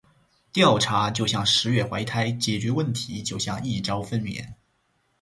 调查就像“十月怀胎”，解决问题就像“一朝分娩”。